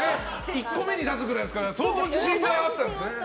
１個目に出すくらいですから相当自信があったんですね。